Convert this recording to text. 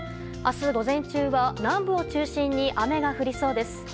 明日午前中は南部を中心に雨が降りそうです。